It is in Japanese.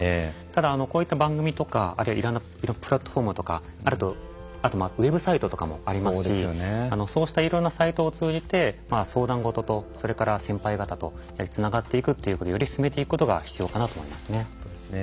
ただこういった番組とかあるいはいろんなプラットフォームとかあとウェブサイトとかもありますしそうしたいろんなサイトを通じて相談事とそれから先輩方とつながっていくっていうことをより進めていくことが必要かなと思いますね。